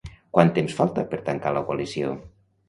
Quant temps falta per tancar la coalició?